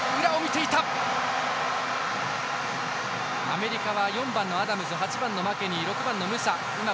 アメリカは４番のアダムズ８番のマケニー、６番のムサ。